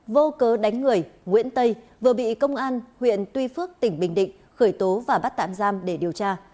vô cớ đánh người nguyễn tây vừa bị công an huyện tuy phước tỉnh bình định khởi tố và bắt tạm giam để điều tra